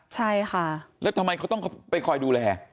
ใช่ค่ะแล้วทำไมเขาต้องไปคอยดูแล